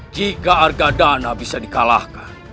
jika harga dana bisa dikalahkan